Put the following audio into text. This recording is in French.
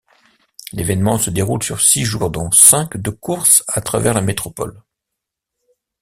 L'événement se déroule sur six jours dont cinq de courses à travers la métropole.